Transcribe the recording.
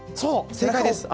正解です